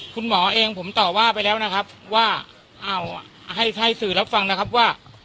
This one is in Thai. คุณหมอเองผมต่อว่าไปแล้วนะครับว่าอ้าวให้สื่อรับฟังนะครับว่า